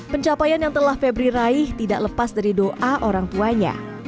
pencapaian yang telah febri raih tidak lepas dari doa orang tuanya